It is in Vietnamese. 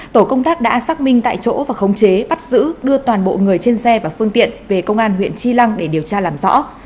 tổ công tác đã xác minh tại chỗ và khống chế bắt giữ đưa toàn bộ người trên xe và phương tiện về công an huyện tri lăng để điều tra làm rõ